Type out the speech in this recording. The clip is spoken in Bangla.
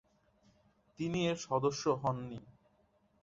তিনি এর সদস্য হননি।